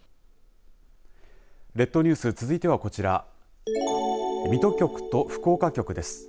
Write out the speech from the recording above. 列島ニュース、続いてはこちら水戸局と福岡局です。